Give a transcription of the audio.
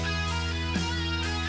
nah inilah skadik satu ratus lima